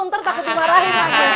ntar takut diparahin